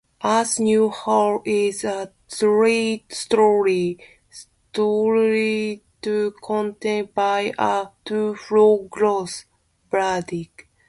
Each new hall is a three-story structure connected by a two-floor glass bridge.